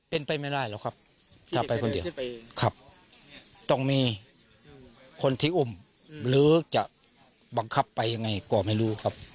ก็นั่นแหละสิผมกลัวกลัวกลัวจับไม่ได้ครับ